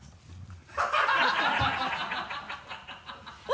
ハハハ